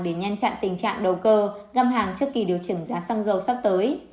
để nhanh chặn tình trạng đầu cơ ngâm hàng trước kỳ điều chỉnh giá xăng dầu sắp tới